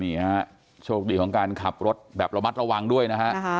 นี่ฮะโชคดีของการขับรถแบบระมัดระวังด้วยนะฮะ